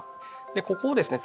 ここをですね